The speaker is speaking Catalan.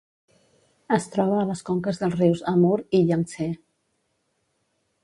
Es troba a les conques dels rius Amur i Iang-Tsé.